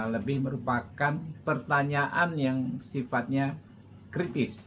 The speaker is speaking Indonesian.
lebih merupakan pertanyaan yang sifatnya kritis